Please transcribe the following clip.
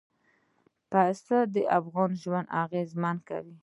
پسه د افغانانو ژوند اغېزمن کوي.